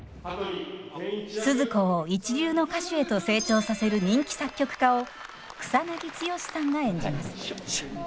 スズ子を一流の歌手へと成長させる人気作曲家を草剛さんが演じます。